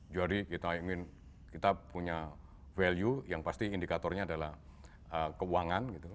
jadi kita ingin kita punya value yang pasti indikatornya adalah keuangan gitu